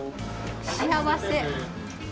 幸せ。